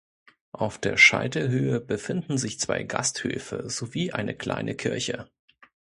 Auf der Scheitelhöhe befinden sich zwei Gasthöfe sowie eine kleine Kirche.